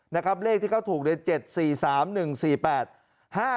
นะครับเลขที่เขาถูกใน๗๔๓๑๔๘๕